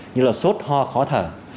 như là sốt ho khó thở